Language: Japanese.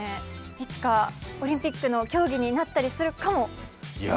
いつかオリンピックの競技になったりするかもしれないですね。